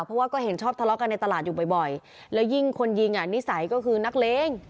เพราะว่าก็เห็นชอบทะเลาะกันในตลาดอยู่บ่อยแล้วยิ่งคนยิงอ่ะนิสัยก็คือนักเลง